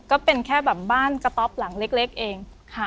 ก็เป็นแค่แบบบ้านกระต๊อปหลังเล็กเอง